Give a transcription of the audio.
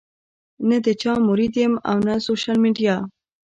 نۀ د چا مريد يم او نۀ سوشل ميډيا